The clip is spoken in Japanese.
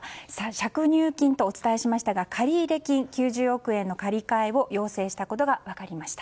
借入金とお伝えしましたが借り入れ金９０億円の借り換えを要請したことが分かりました。